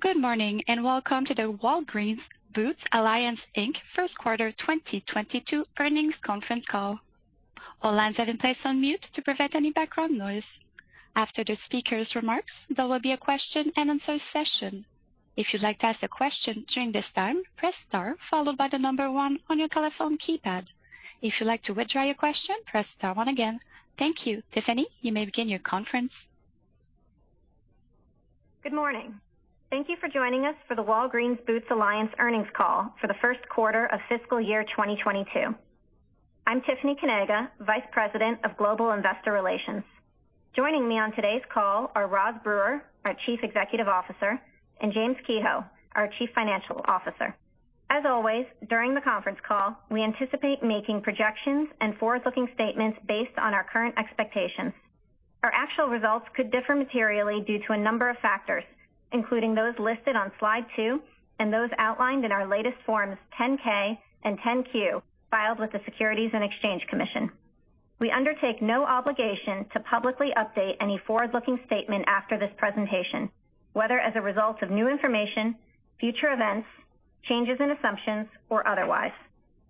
Good morning, and welcome to the Walgreens Boots Alliance, Inc. Q1 2022 earnings conference call. All lines have been placed on mute to prevent any background noise. After the speaker's remarks, there will be a question-and-answer session. If you'd like to ask a question during this time, press star followed by the number 1 on your telephone keypad. If you'd like to withdraw your question, press star one again. Thank you. Tiffany, you may begin your conference. Good morning. Thank you for joining us for the Walgreens Boots Alliance earnings call for the Q1 of FY 2022. I'm Tiffany Kanaga, Vice President of Global Investor Relations. Joining me on today's call are Roz Brewer, our Chief Executive Officer, and James Kehoe, our Chief Financial Officer. As always, during the conference call, we anticipate making projections and forward-looking statements based on our current expectations. Our actual results could differ materially due to a number of factors, including those listed on slide two and those outlined in our latest Forms 10-K and 10-Q filed with the Securities and Exchange Commission. We undertake no obligation to publicly update any forward-looking statement after this presentation, whether as a result of new information, future events, changes in assumptions or otherwise.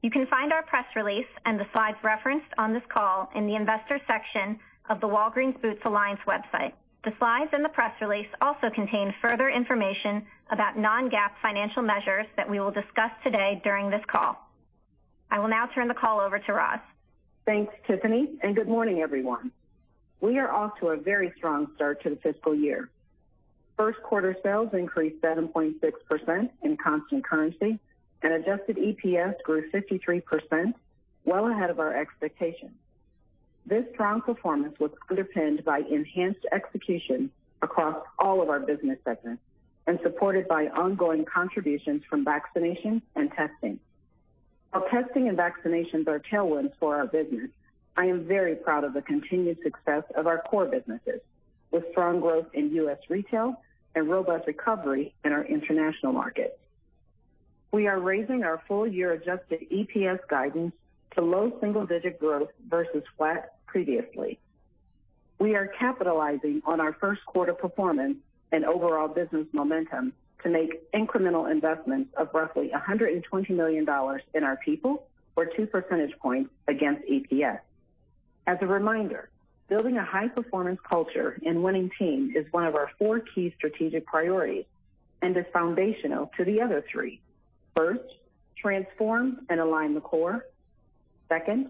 You can find our press release and the slides referenced on this call in the investor section of the Walgreens Boots Alliance website. The slides and the press release also contain further information about non-GAAP financial measures that we will discuss today during this call. I will now turn the call over to Roz. Thanks, Tiffany, and good morning, everyone. We are off to a very strong start to the FY. Q1 sales increased 7.6% in constant currency, and adjusted EPS grew 53%, well ahead of our expectations. This strong performance was underpinned by enhanced execution across all of our business segments and supported by ongoing contributions from vaccinations and testing. While testing and vaccinations are tailwinds for our business, I am very proud of the continued success of our core businesses, with strong growth in U.S. retail and robust recovery in our international markets. We are raising our full-year adjusted EPS guidance to low single-digit growth versus flat previously. We are capitalizing on our Q1 performance and overall business momentum to make incremental investments of roughly $120 million in our people or 2 percentage points against EPS. As a reminder, building a high-performance culture and winning team is one of our four key strategic priorities and is foundational to the other three. First, transform and align the core. Second,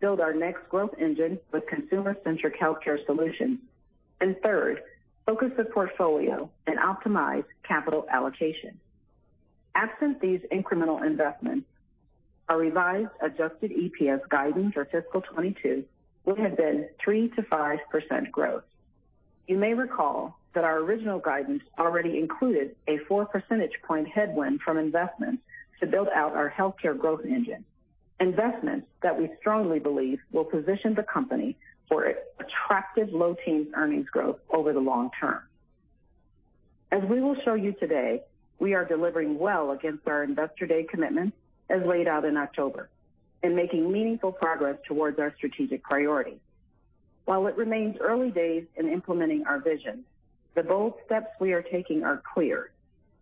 build our next growth engine with consumer-centric healthcare solutions. Third, focus the portfolio and optimize capital allocation. Absent these incremental investments, our revised adjusted EPS guidance for fiscal 2022 would have been 3%-5% growth. You may recall that our original guidance already included a four percentage point headwind from investments to build out our healthcare growth engine, investments that we strongly believe will position the company for attractive low teens earnings growth over the long term. As we will show you today, we are delivering well against our Investor Day commitments as laid out in October and making meaningful progress towards our strategic priority. While it remains early days in implementing our vision, the bold steps we are taking are clear,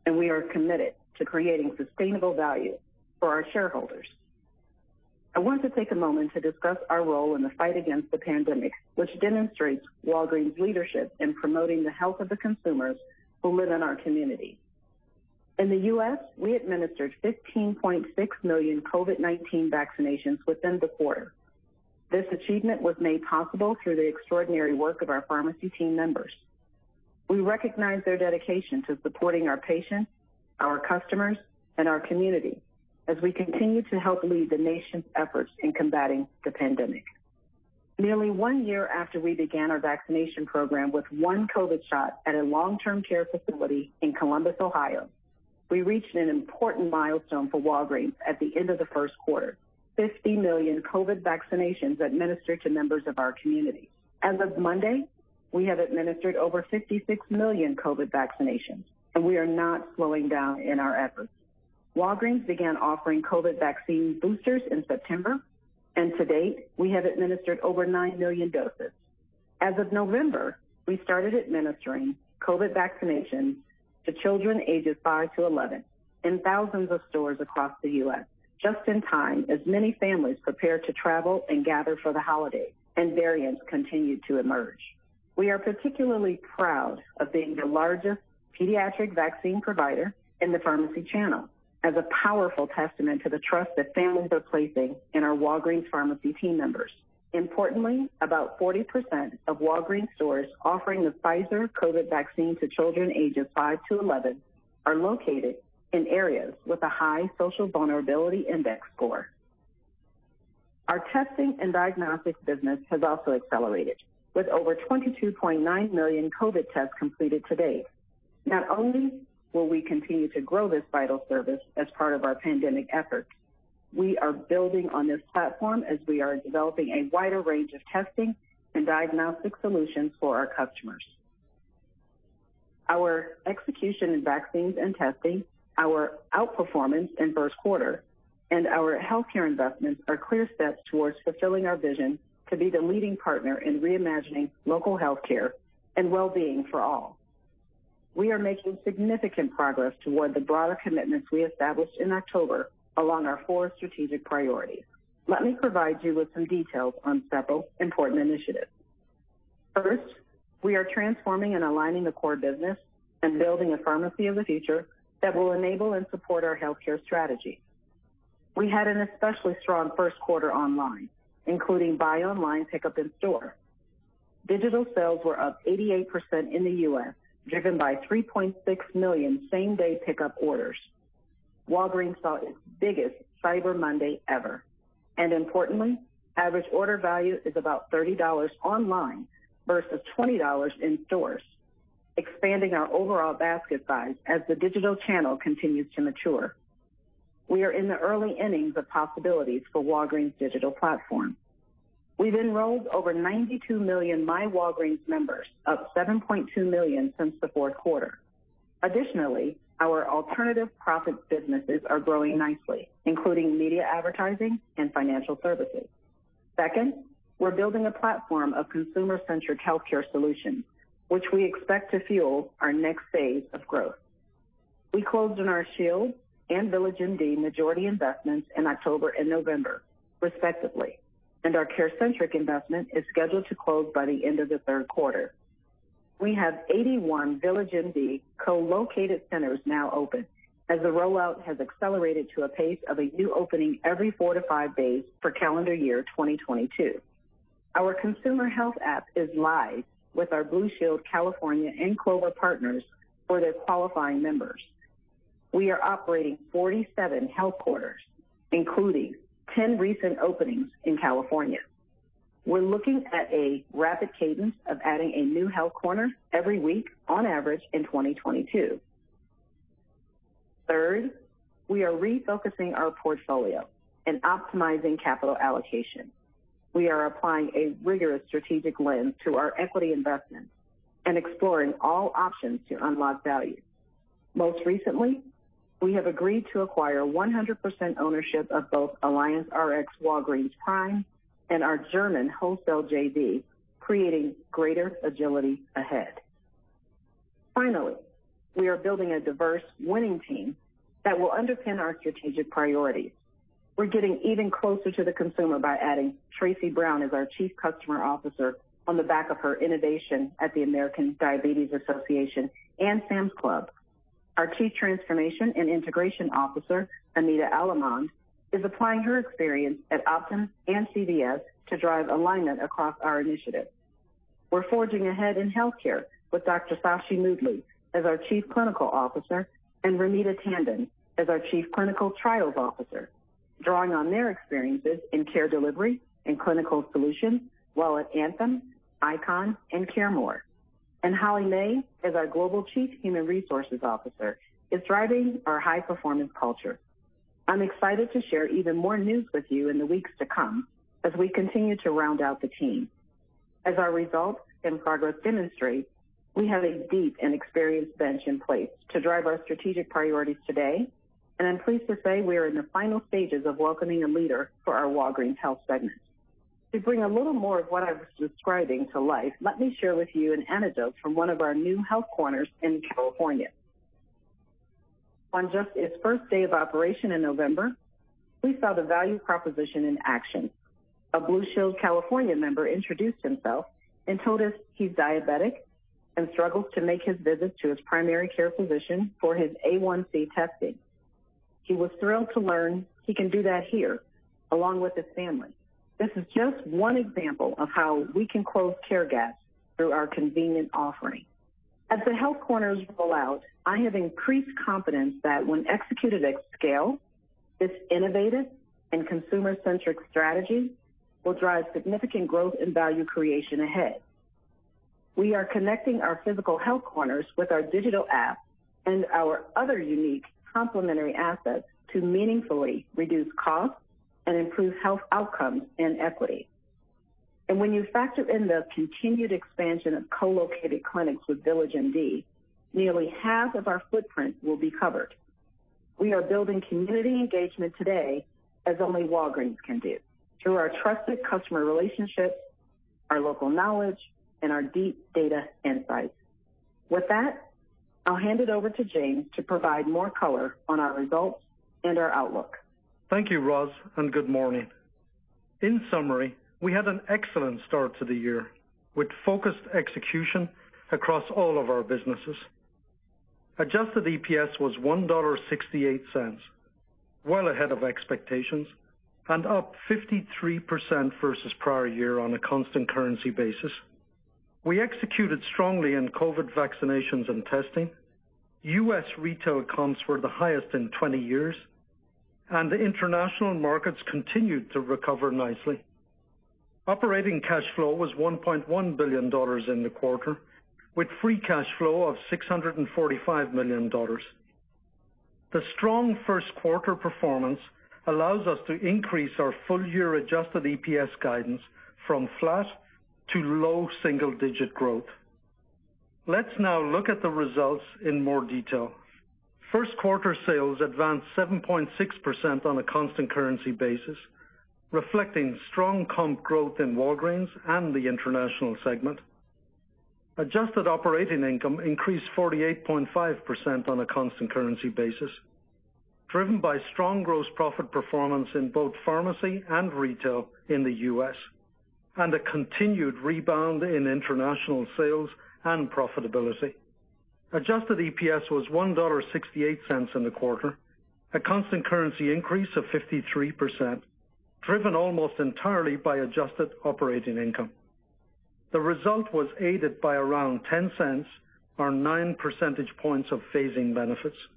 and we are committed to creating sustainable value for our shareholders. I want to take a moment to discuss our role in the fight against the pandemic, which demonstrates Walgreens' leadership in promoting the health of the consumers who live in our community. In the U.S., we administered 15.6 million COVID-19 vaccinations within the quarter. This achievement was made possible through the extraordinary work of our pharmacy team members. We recognize their dedication to supporting our patients, our customers and our community as we continue to help lead the nation's efforts in combating the pandemic. Nearly one year after we began our vaccination program with one COVID shot at a long-term care facility in Columbus, Ohio, we reached an important milestone for Walgreens at the end of the Q1, 50 million COVID vaccinations administered to members of our community. As of Monday, we have administered over 56 million COVID vaccinations, and we are not slowing down in our efforts. Walgreens began offering COVID vaccine boosters in September, and to date, we have administered over 9 million doses. As of November, we started administering COVID vaccinations to children ages five to 11 in thousands of stores across the U.S. just in time as many families prepare to travel and gather for the holidays and variants continue to emerge. We are particularly proud of being the largest pediatric vaccine provider in the pharmacy channel as a powerful testament to the trust that families are placing in our Walgreens pharmacy team members. Importantly, about 40% of Walgreens stores offering the Pfizer COVID vaccine to children ages five to 11 are located in areas with a high Social Vulnerability Index score. Our testing and diagnostic business has also accelerated, with over 22.9 million COVID tests completed to date. Not only will we continue to grow this vital service as part of our pandemic efforts, we are building on this platform as we are developing a wider range of testing and diagnostic solutions for our customers. Our execution in vaccines and testing, our outperformance in Q1, and our healthcare investments are clear steps towards fulfilling our vision to be the leading partner in reimagining local healthcare and well-being for all. We are making significant progress toward the broader commitments we established in October along our four strategic priorities. Let me provide you with some details on several important initiatives. First, we are transforming and aligning the core business and building a pharmacy of the future that will enable and support our healthcare strategy. We had an especially strong Q1 online, including buy online pickup in store. Digital sales were up 88% in the U.S., driven by 3.6 million same-day pickup orders. Walgreens saw its biggest Cyber Monday ever. Importantly, average order value is about $30 online versus $20 in stores, expanding our overall basket size as the digital channel continues to mature. We are in the early innings of possibilities for Walgreens' digital platform. We've enrolled over 92 million My Walgreens members, up 7.2 million since the fourth quarter. Additionally, our alternative profit businesses are growing nicely, including media advertising and financial services. Second, we're building a platform of consumer-centric healthcare solutions, which we expect to fuel our next phase of growth. We closed on our Shields and VillageMD majority investments in October and November, respectively, and our CareCentrix investment is scheduled to close by the end of the third quarter. We have 81 VillageMD co-located centers now open as the rollout has accelerated to a pace of a new opening every four to five days for calendar year 2022. Our consumer health app is live with our Blue Shield of California and Clover Health partners for their qualifying members. We are operating 47 health corners, including 10 recent openings in California. We're looking at a rapid cadence of adding a new health corner every week on average in 2022. Third, we are refocusing our portfolio and optimizing capital allocation. We are applying a rigorous strategic lens to our equity investments and exploring all options to unlock value. Most recently, we have agreed to acquire 100% ownership of both AllianceRx Walgreens Prime and our German wholesale JV, creating greater agility ahead. Finally, we are building a diverse winning team that will underpin our strategic priorities. We're getting even closer to the consumer by adding Tracey Brown as our Chief Customer Officer on the back of her innovation at the American Diabetes Association and Sam's Club. Our Chief Transformation and Integration Officer, Anita Allemand, is applying her experience at Optum and CVS to drive alignment across our initiatives. We're forging ahead in healthcare with Dr. Sashi Moodley as our Chief Clinical Officer, and Ramita Tandon as our Chief Clinical Trials Officer, drawing on their experiences in care delivery and clinical solutions while at Anthem, ICON, and CareMore. Holly May as our Global Chief Human Resources Officer, is driving our high-performance culture. I'm excited to share even more news with you in the weeks to come as we continue to round out the team. As our results and progress demonstrate, we have a deep and experienced bench in place to drive our strategic priorities today. I'm pleased to say we are in the final stages of welcoming a leader for our Walgreens Health segment. To bring a little more of what I was describing to life, let me share with you an anecdote from one of our new health corners in California. On just its first day of operation in November, we saw the value proposition in action. A Blue Shield of California member introduced himself and told us he's diabetic and struggles to make his visits to his primary care physician for his A1C testing. He was thrilled to learn he can do that here along with his family. This is just one example of how we can close care gaps through our convenient offering. As the health corners roll out, I have increased confidence that when executed at scale, this innovative and consumer-centric strategy will drive significant growth and value creation ahead. We are connecting our physical health corners with our digital app and our other unique complementary assets to meaningfully reduce costs and improve health outcomes and equity. When you factor in the continued expansion of co-located clinics with VillageMD, nearly half of our footprint will be covered. We are building community engagement today as only Walgreens can do through our trusted customer relationships, our local knowledge, and our deep data insights. With that, I'll hand it over to James to provide more color on our results and our outlook. Thank you, Roz, and good morning. In summary, we had an excellent start to the year with focused execution across all of our businesses. Adjusted EPS was $1.68, well ahead of expectations and up 53% versus prior year on a constant currency basis. We executed strongly in COVID vaccinations and testing. U.S. retail comps were the highest in 20 years, and the international markets continued to recover nicely. Operating cash flow was $1.1 billion in the quarter, with free cash flow of $645 million. The strong Q1 performance allows us to increase our full-year adjusted EPS guidance from flat to low double single-digit growth. Let's now look at the results in more detail. Q1 sales advanced 7.6% on a constant currency basis, reflecting strong comp growth in Walgreens and the international segment. Adjusted operating income increased 48.5% on a constant currency basis, driven by strong gross profit performance in both pharmacy and retail in the U.S. and a continued rebound in international sales and profitability. Adjusted EPS was $1.68 in the quarter, a constant currency increase of 53%, driven almost entirely by adjusted operating income. The result was aided by around $0.10 or 9 percentage points of phasing benefits.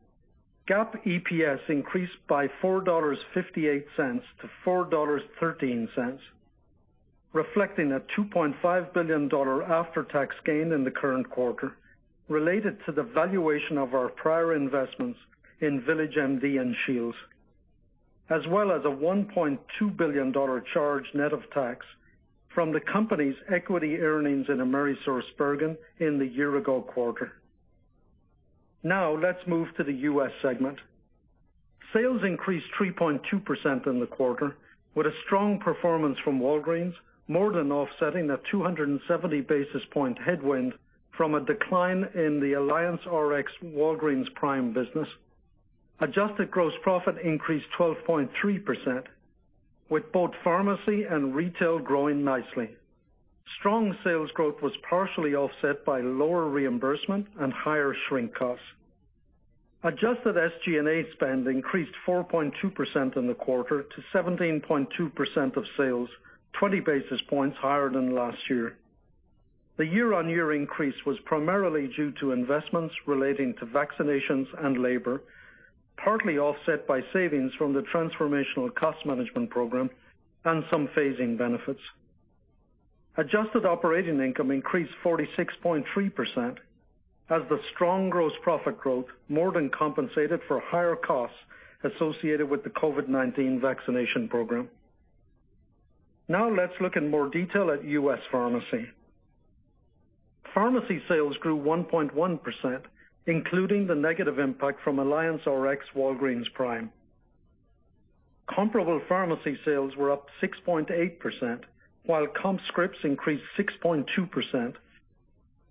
GAAP EPS increased by $4.58-$4.13, reflecting a $2.5 billion after-tax gain in the current quarter related to the valuation of our prior investments in VillageMD and Shields, as well as a $1.2 billion charge net of tax from the company's equity earnings in AmerisourceBergen in the year-ago quarter. Now let's move to the U.S. segment. Sales increased 3.2% in the quarter, with a strong performance from Walgreens more than offsetting a 270 basis point headwind from a decline in the AllianceRx Walgreens Prime business. Adjusted gross profit increased 12.3%, with both pharmacy and retail growing nicely. Strong sales growth was partially offset by lower reimbursement and higher shrink costs. Adjusted SG&A spend increased 4.2% in the quarter to 17.2% of sales, 20 basis points higher than last year. The year-on-year increase was primarily due to investments relating to vaccinations and labor, partly offset by savings from the transformational cost management program and some phasing benefits. Adjusted operating income increased 46.3% as the strong gross profit growth more than compensated for higher costs associated with the COVID-19 vaccination program. Now let's look in more detail at U.S. Pharmacy. Pharmacy sales grew 1.1%, including the negative impact from AllianceRx Walgreens Prime. Comparable pharmacy sales were up 6.8%, while comp scripts increased 6.2%,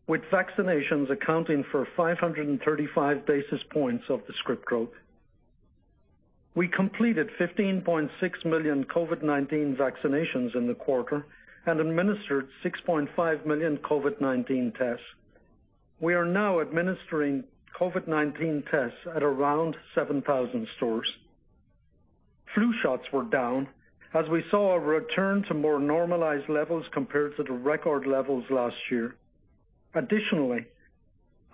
with vaccinations accounting for 535 basis points of the script growth. We completed 15.6 million COVID-19 vaccinations in the quarter and administered 6.5 million COVID-19 tests. We are now administering COVID-19 tests at around 7,000 stores. Flu shots were down as we saw a return to more normalized levels compared to the record levels last year. Additionally,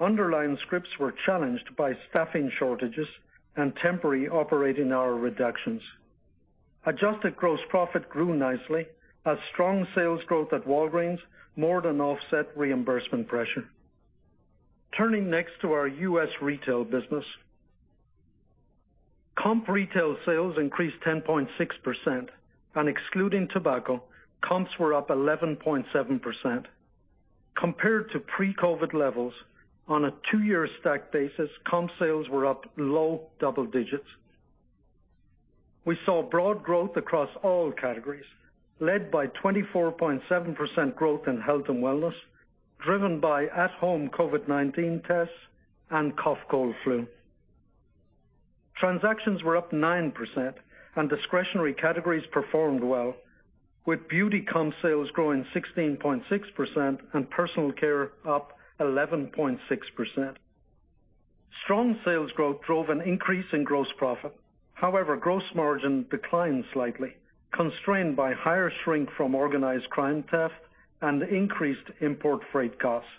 underlying scripts were challenged by staffing shortages and temporary operating hour reductions. Adjusted gross profit grew nicely as strong sales growth at Walgreens more than offset reimbursement pressure. Turning next to our U.S. retail business. Comp retail sales increased 10.6% and excluding tobacco, comps were up 11.7%. Compared to pre-COVID levels on a two-year stack basis, comp sales were up low double digits. We saw broad growth across all categories, led by 24.7% growth in health and wellness, driven by at-home COVID-19 tests and cough, cold, flu. Transactions were up 9% and discretionary categories performed well, with beauty comp sales growing 16.6% and personal care up 11.6%. Strong sales growth drove an increase in gross profit. However, gross margin declined slightly, constrained by higher shrink from organized crime theft and increased import freight costs.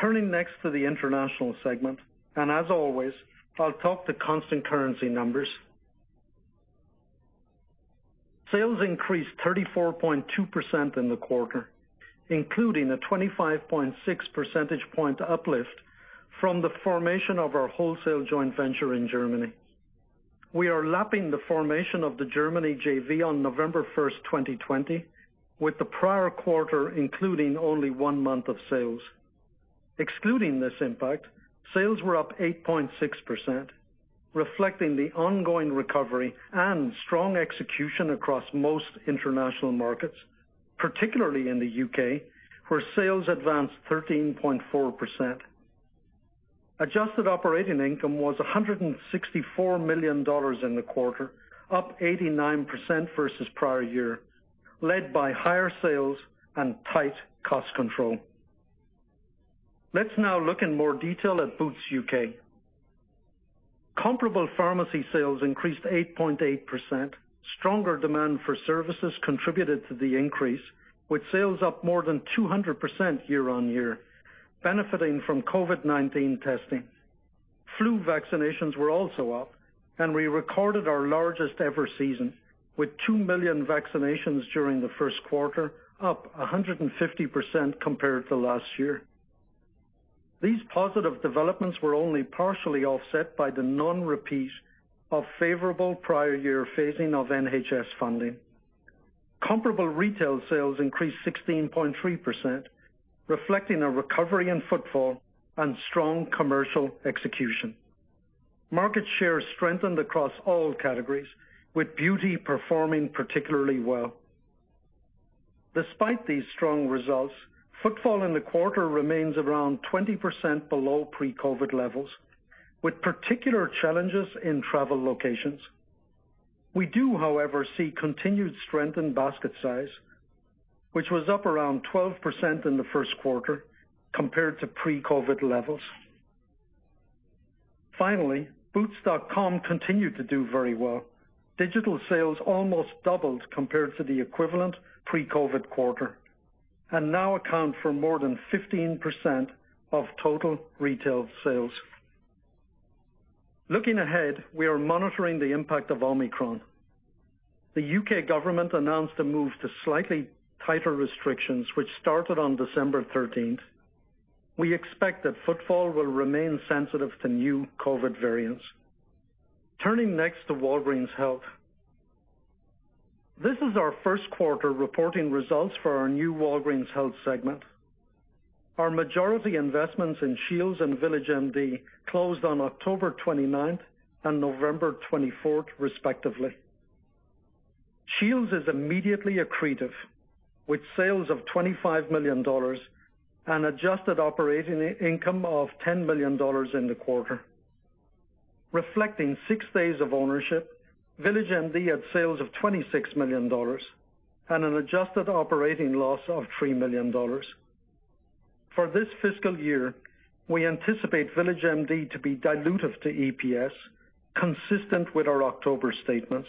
Turning next to the international segment, and as always, I'll talk the constant currency numbers. Sales increased 34.2% in the quarter, including a 25.6 percentage point uplift from the formation of our wholesale joint venture in Germany. We are lapping the formation of the German JV on November 1, 2020, with the prior quarter including only one month of sales. Excluding this impact, sales were up 8.6%, reflecting the ongoing recovery and strong execution across most international markets, particularly in the U.K., where sales advanced 13.4%. Adjusted operating income was $164 million in the quarter, up 89% versus prior year, led by higher sales and tight cost control. Let's now look in more detail at Boots UK. Comparable pharmacy sales increased 8.8%. Stronger demand for services contributed to the increase, with sales up more than 200% year-on-year, benefiting from COVID-19 testing. Flu vaccinations were also up, and we recorded our largest ever season, with 2 million vaccinations during the Q1, up 150% compared to last year. These positive developments were only partially offset by the non-repeat of favorable prior year phasing of NHS funding. Comparable retail sales increased 16.3%, reflecting a recovery in footfall and strong commercial execution. Market share strengthened across all categories, with beauty performing particularly well. Despite these strong results, footfall in the quarter remains around 20% below pre-COVID levels, with particular challenges in travel locations. We do, however, see continued strength in basket size, which was up around 12% in the Q1 compared to pre-COVID levels. Finally, boots.com continued to do very well. Digital sales almost doubled compared to the equivalent pre-COVID quarter and now account for more than 15% of total retail sales. Looking ahead, we are monitoring the impact of Omicron. The U.K. government announced a move to slightly tighter restrictions which started on December 13th. We expect that footfall will remain sensitive to new COVID variants. Turning next to Walgreens Health. This is our Q1 reporting results for our new Walgreens Health segment. Our majority investments in Shields and VillageMD closed on October 29th and November 24th, respectively. Shields is immediately accretive with sales of $25 million and adjusted operating income of $10 million in the quarter. Reflecting six days of ownership, VillageMD had sales of $26 million and an adjusted operating loss of $3 million. For this FY, we anticipate VillageMD to be dilutive to EPS, consistent with our October statements.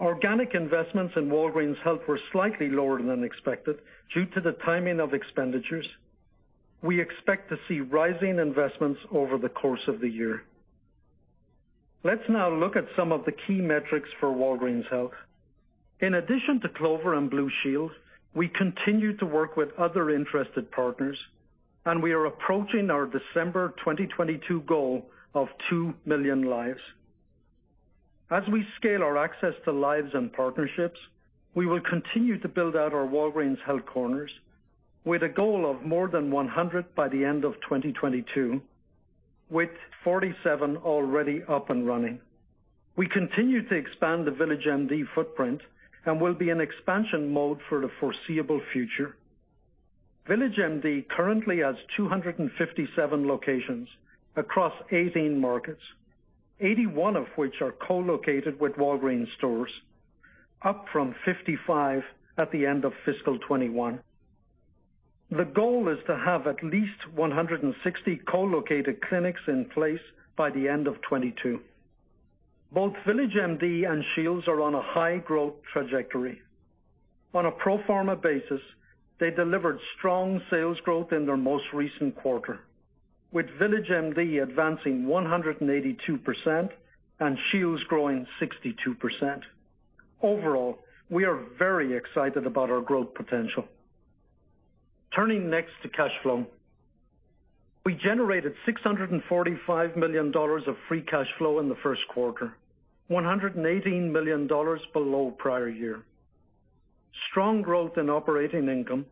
Organic investments in Walgreens Health were slightly lower than expected due to the timing of expenditures. We expect to see rising investments over the course of the year. Let's now look at some of the key metrics for Walgreens Health. In addition to Clover and Blue Shield, we continue to work with other interested partners, and we are approaching our December 2022 goal of 2 million lives. As we scale our access to lives and partnerships, we will continue to build out our Walgreens Health corners with a goal of more than 100 by the end of 2022, with 47 already up and running. We continue to expand the VillageMD footprint and will be in expansion mode for the foreseeable future. VillageMD currently has 257 locations across 18 markets, 81 of which are co-located with Walgreens stores, up from 55 at the end of fiscal 2021. The goal is to have at least 160 co-located clinics in place by the end of 2022. Both VillageMD and Shields are on a high growth trajectory. On a pro forma basis, they delivered strong sales growth in their most recent quarter, with VillageMD advancing 182% and Shields growing 62%. Overall, we are very excited about our growth potential. Turning next to cash flow. We generated $645 million of free cash flow in the Q1, $118 million below prior year. Strong growth in operating income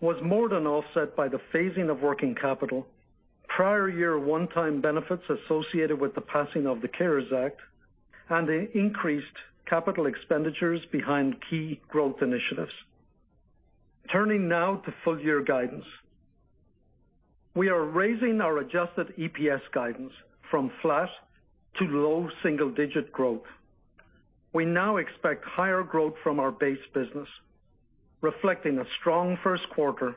was more than offset by the phasing of working capital, prior year one-time benefits associated with the passing of the CARES Act, and the increased capital expenditures behind key growth initiatives. Turning now to full year guidance. We are raising our adjusted EPS guidance from flat to low single digit growth. We now expect higher growth from our base business, reflecting a strong Q1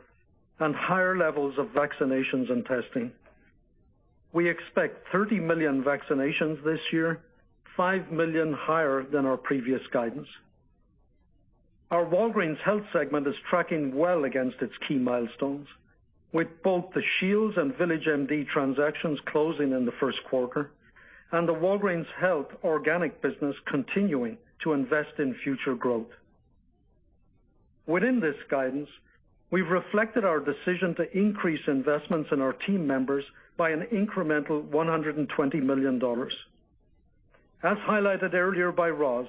and higher levels of vaccinations and testing. We expect 30 million vaccinations this year, 5 million higher than our previous guidance. Our Walgreens Health segment is tracking well against its key milestones, with both the Shields and VillageMD transactions closing in the Q1 and the Walgreens Health organic business continuing to invest in future growth. Within this guidance, we've reflected our decision to increase investments in our team members by an incremental $120 million. As highlighted earlier by Roz,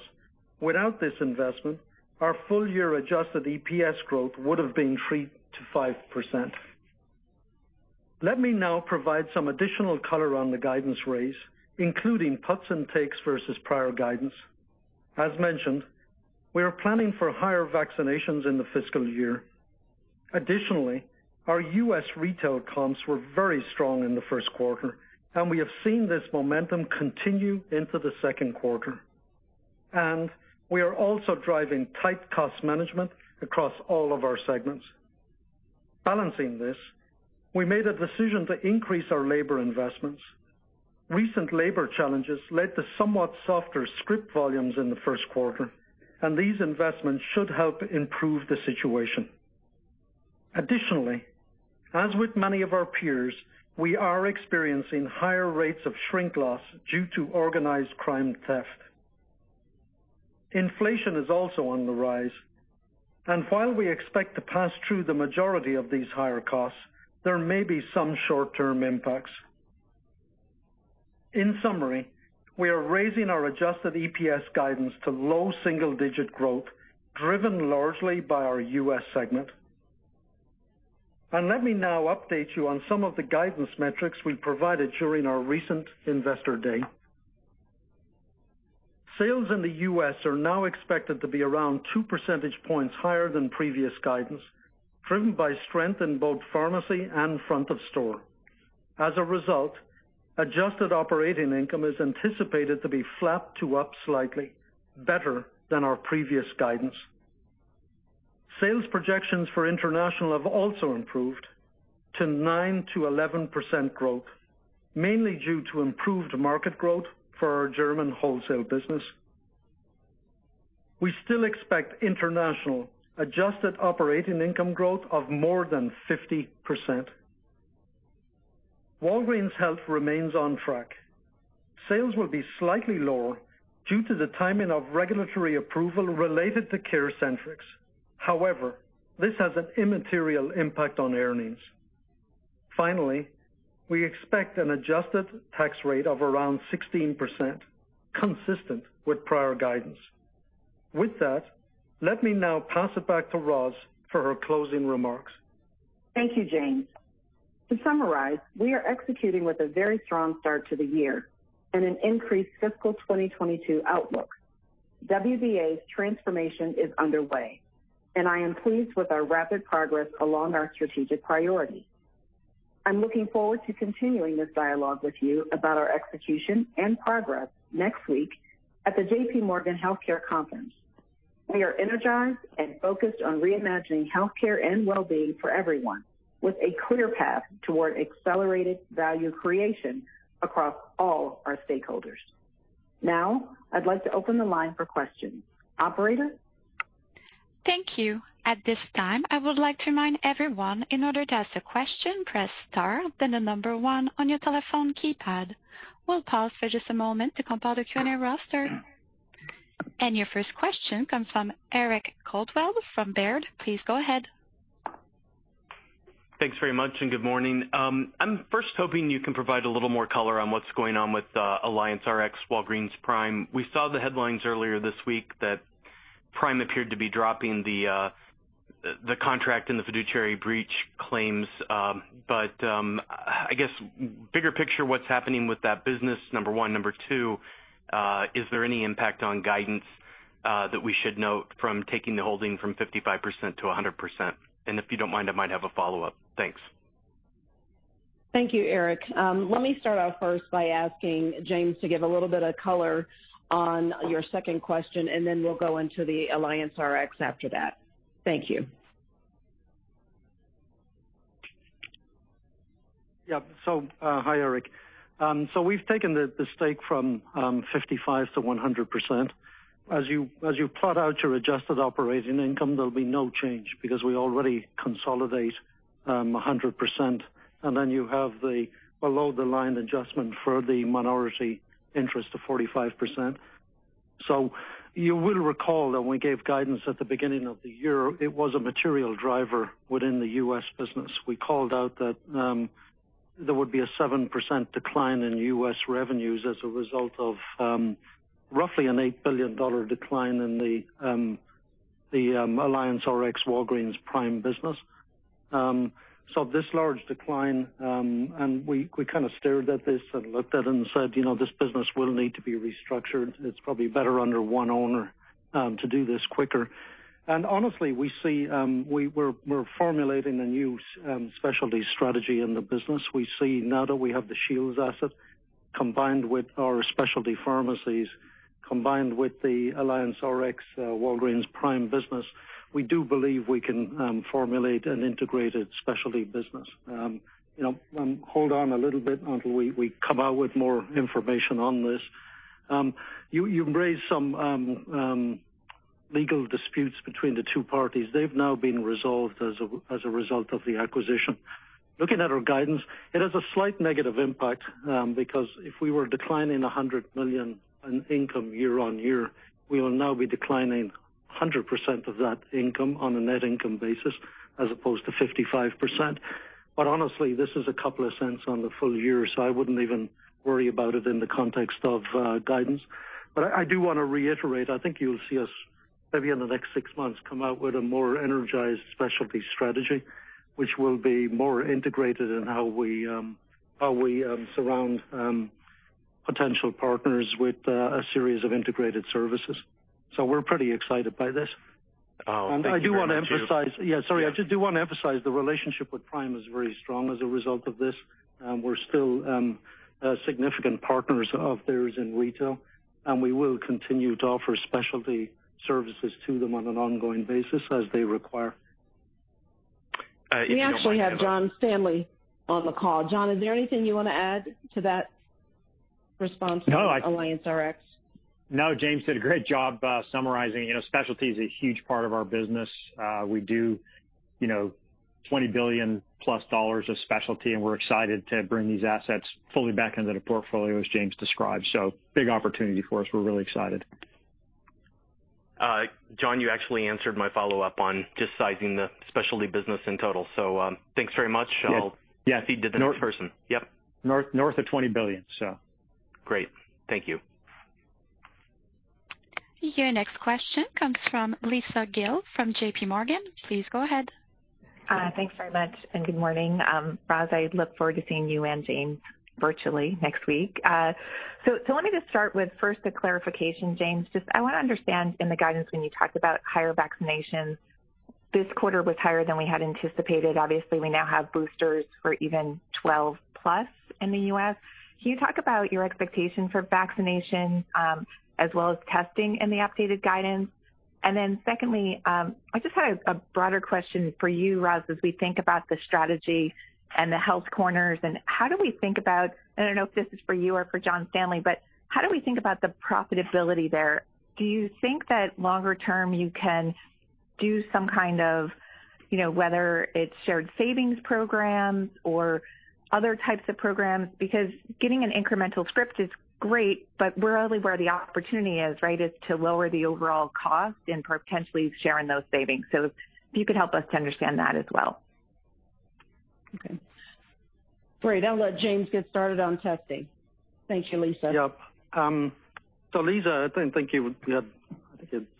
without this investment, our full year adjusted EPS growth would have been 3%-5%. Let me now provide some additional color on the guidance raise, including puts and takes versus prior guidance. As mentioned, we are planning for higher vaccinations in the FY. Additionally, our U.S. retail comps were very strong in the Q1, and we have seen this momentum continue into the Q2. We are also driving tight cost management across all of our segments. Balancing this, we made a decision to increase our labor investments. Recent labor challenges led to somewhat softer script volumes in the Q1, and these investments should help improve the situation. Additionally, as with many of our peers, we are experiencing higher rates of shrink loss due to organized crime theft. Inflation is also on the rise, and while we expect to pass through the majority of these higher costs, there may be some short-term impacts. In summary, we are raising our adjusted EPS guidance to low single-digit growth, driven largely by our U.S. segment. Let me now update you on some of the guidance metrics we provided during our recent investor day. Sales in the U.S. are now expected to be around 2 percentage points higher than previous guidance, driven by strength in both pharmacy and front of store. As a result, adjusted operating income is anticipated to be flat to up slightly better than our previous guidance. Sales projections for international have also improved to 9%-11% growth, mainly due to improved market growth for our German wholesale business. We still expect international adjusted operating income growth of more than 50%. Walgreens Health remains on track. Sales will be slightly lower due to the timing of regulatory approval related to CareCentrix. However, this has an immaterial impact on earnings. Finally, we expect an adjusted tax rate of around 16%, consistent with prior guidance. With that, let me now pass it back to Roz for her closing remarks. Thank you, James. To summarize, we are executing with a very strong start to the year and an increased fiscal 2022 outlook. WBA's transformation is underway, and I am pleased with our rapid progress along our strategic priority. I'm looking forward to continuing this dialogue with you about our execution and progress next week at the JPMorgan Healthcare Conference. We are energized and focused on reimagining healthcare and well-being for everyone, with a clear path toward accelerated value creation across all our stakeholders. Now, I'd like to open the line for questions. Operator? Thank you. At this time, I would like to remind everyone in order to ask a question, press star then the number one on your telephone keypad. We'll pause for just a moment to compile the Q&A roster. Your first question comes from Eric Coldwell from Baird. Please go ahead. Thanks very much, and good morning. I'm first hoping you can provide a little more color on what's going on with AllianceRx Walgreens Prime. We saw the headlines earlier this week that Prime appeared to be dropping the contract and the fiduciary breach claims. I guess bigger picture, what's happening with that business, number one. Number two, is there any impact on guidance that we should note from taking the holding from 55%-100%? And if you don't mind, I might have a follow-up. Thanks. Thank you, Eric. Let me start out first by asking James to give a little bit of color on your second question, and then we'll go into the AllianceRx after that. Thank you. Hi, Eric. We've taken the stake from 55%-100%. As you plot out your adjusted operating income, there'll be no change because we already consolidate 100%, and then you have the below-the-line adjustment for the minority interest of 45%. You will recall that we gave guidance at the beginning of the year. It was a material driver within the U.S. business. We called out that there would be a 7% decline in U.S. revenues as a result of roughly an $8 billion decline in the AllianceRx Walgreens Prime business. This large decline, and we kind of stared at this and looked at it and said, you know, this business will need to be restructured. It's probably better under one owner to do this quicker. Honestly, we see we're formulating a new specialty strategy in the business. We see now that we have the Shields asset combined with our specialty pharmacies, combined with the AllianceRx Walgreens Prime business, we do believe we can formulate an integrated specialty business. You know, hold on a little bit until we come out with more information on this. You've raised some legal disputes between the two parties. They've now been resolved as a result of the acquisition. Looking at our guidance, it has a slight negative impact because if we were declining $100 million in income year-over-year, we will now be declining 100% of that income on a net income basis as opposed to 55%. Honestly, this is a couple of cents on the full year, so I wouldn't even worry about it in the context of guidance. I do wanna reiterate, I think you'll see us maybe in the next six months come out with a more energized specialty strategy, which will be more integrated in how we surround potential partners with a series of integrated services. We're pretty excited by this. Oh, thank you very much. I do wanna emphasize the relationship with Prime is very strong as a result of this. We're still significant partners of theirs in retail, and we will continue to offer specialty services to them on an ongoing basis as they require. If you don't mind, I have a- We actually have John Standley on the call. John, is there anything you wanna add to that response to AllianceRx? No, James did a great job, summarizing. You know, specialty is a huge part of our business. We do, you know. $20 billion+ of specialty, and we're excited to bring these assets fully back into the portfolio, as James described. Big opportunity for us. We're really excited. John, you actually answered my follow-up on just sizing the specialty business in total. Thanks very much. Yes. Yes. I'll cede to the next person. Yep. North of $20 billion. Great. Thank you. Your next question comes from Lisa Gill from JPMorgan. Please go ahead. Thanks very much, and good morning. Roz, I look forward to seeing you and James virtually next week. So let me just start with a clarification, James. I wanna understand in the guidance when you talked about higher vaccinations, this quarter was higher than we had anticipated. Obviously, we now have boosters for even 12+ in the U.S. Can you talk about your expectation for vaccination, as well as testing in the updated guidance? Secondly, I just had a broader question for you, Roz, as we think about the strategy and the health corners and how do we think about the profitability there? I don't know if this is for you or for John Standley, but how do we think about the profitability there? Do you think that longer term you can do some kind of, you know, whether it's shared savings programs or other types of programs? Because getting an incremental script is great, but really where the opportunity is, right, is to lower the overall cost and potentially sharing those savings. If you could help us to understand that as well. Okay. Great. I'll let James get started on testing. Thank you, Lisa. Yep. Lisa, I think you had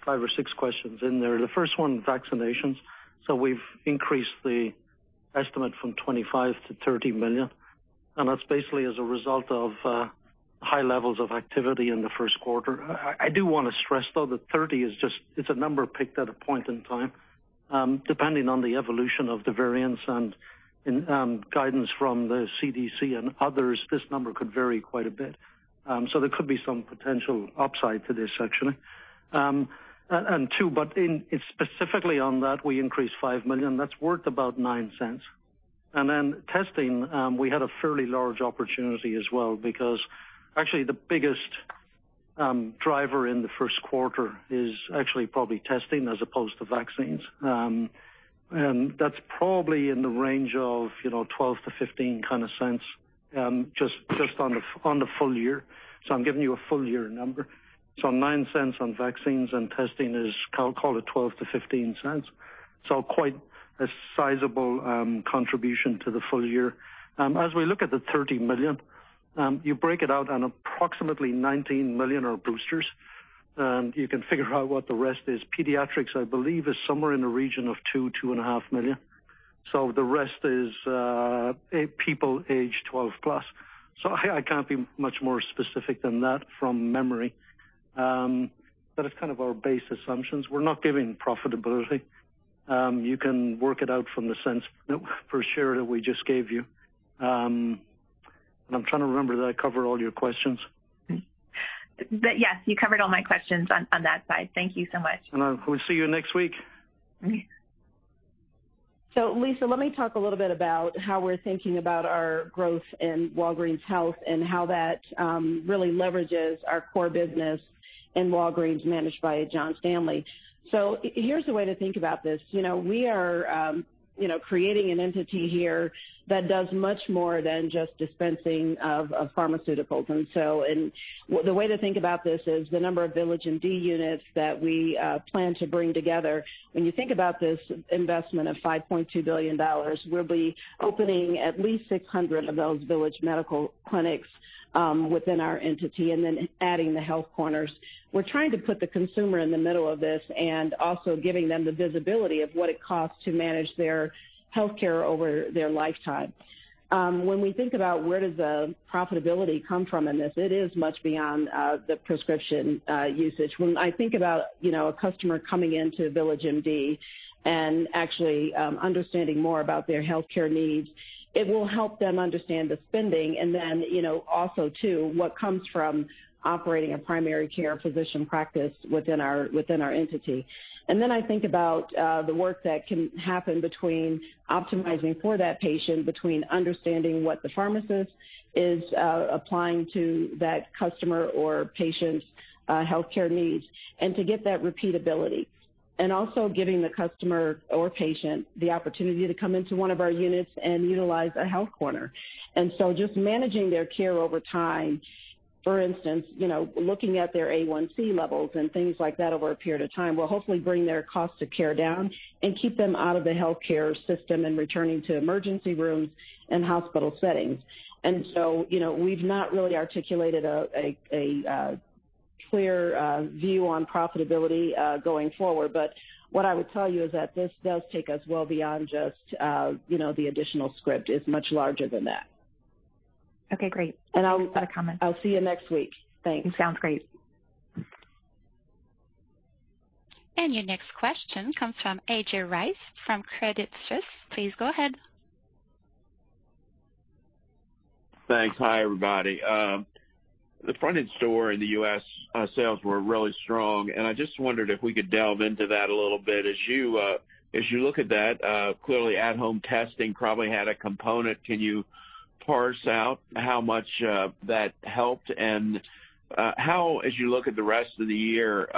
five or six questions in there. The first one, vaccinations. We've increased the estimate from 25 to 30 million, and that's basically as a result of high levels of activity in the Q1. I do want to stress though that 30 is just, it's a number picked at a point in time, depending on the evolution of the variants and guidance from the CDC and others. This number could vary quite a bit. There could be some potential upside to this actually. And two, but specifically on that, we increased 5 million. That's worth about $0.09. Testing, we had a fairly large opportunity as well because actually the biggest driver in the Q1 is actually probably testing as opposed to vaccines. That's probably in the range of, you know, $0.12-$0.15 kinda cents, just on the full year. I'm giving you a full year number. Nine cents on vaccines and testing is call it $0.12-$0.15. Quite a sizable contribution to the full year. As we look at the 30 million, you break it out and approximately 19 million are boosters, and you can figure out what the rest is. Pediatrics, I believe is somewhere in the region of 2.5 million. The rest is people age 12+. I can't be much more specific than that from memory. But it's kind of our base assumptions. We're not giving profitability. You can work it out from the cents per share that we just gave you. And I'm trying to remember, did I cover all your questions? Yes, you covered all my questions on that side. Thank you so much. We'll see you next week. Okay. Lisa, let me talk a little bit about how we're thinking about our growth in Walgreens Health and how that really leverages our core business in Walgreens, managed by John Standley. Here's a way to think about this. You know, we are, you know, creating an entity here that does much more than just dispensing of pharmaceuticals. The way to think about this is the number of VillageMD units that we plan to bring together. When you think about this investment of $5.2 billion, we'll be opening at least 600 of those Village Medical clinics within our entity and then adding the health corners. We're trying to put the consumer in the middle of this and also giving them the visibility of what it costs to manage their healthcare over their lifetime. When we think about where does the profitability come from in this, it is much beyond the prescription usage. When I think about, you know, a customer coming into VillageMD and actually understanding more about their healthcare needs, it will help them understand the spending and then, you know, also too, what comes from operating a primary care physician practice within our entity. Then I think about the work that can happen between optimizing for that patient, between understanding what the pharmacist is applying to that customer or patient's healthcare needs, and to get that repeatability, and also giving the customer or patient the opportunity to come into one of our units and utilize a health corner. Just managing their care over time, for instance, you know, looking at their A1C levels and things like that over a period of time, will hopefully bring their cost of care down and keep them out of the healthcare system and returning to emergency rooms and hospital settings. You know, we've not really articulated a clear view on profitability going forward. But what I would tell you is that this does take us well beyond just you know, the additional script. It's much larger than that. Okay, great. I'll- Thanks for the comment. I'll see you next week. Thanks. Sounds great. Your next question comes from A.J. Rice from Credit Suisse. Please go ahead. Thanks. Hi, everybody. The front-end store in the U.S. sales were really strong, and I just wondered if we could delve into that a little bit. As you look at that, clearly at-home testing probably had a component. Can you parse out how much that helped and how, as you look at the rest of the year,